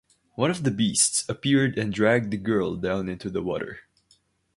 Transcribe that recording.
One of the beasts appeared and dragged the girl down into the water.